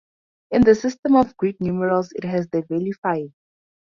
In the system of Greek numerals it has the value five.